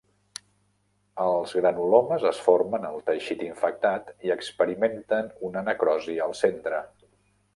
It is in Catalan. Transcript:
Els granulomes es formen al teixit infectat i experimenten una necrosi al centre.